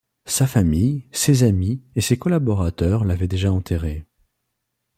Sa famille, ses amis et ses collaborateurs l'avaient déjà enterré.